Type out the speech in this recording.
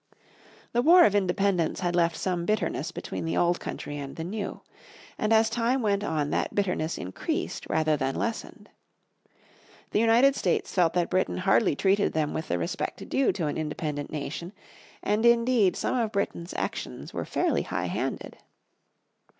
The War of Independence had left some bitterness between the old country and the new. And as time went on that bitterness increased rather than lessened. The United States felt that Britain hardly treated them with the respect due to an independent nation, and indeed some of Britain's actions were fairly high handed.